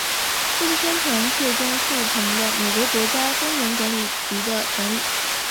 这次宣传最终促成了美国国家公园管理局的成立。